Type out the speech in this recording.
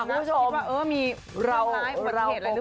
คุณผู้ชมคิดว่ามีเมื่อไหร่อุบัติเหตุอะไรหรือเปล่า